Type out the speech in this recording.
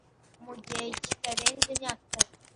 mu gihe kitarenze imyaka itatu